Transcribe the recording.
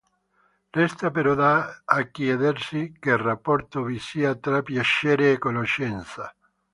Resta però da chiedersi che rapporto vi sia tra piacere e conoscenza.